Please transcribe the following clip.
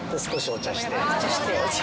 お茶してお茶。